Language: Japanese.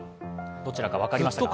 どちらか分かりましたか？